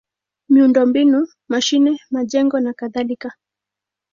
miundombinu: mashine, majengo nakadhalika.